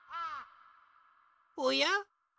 おや？